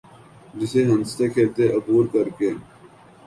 جسے ہنستے کھیلتے عبور کر کے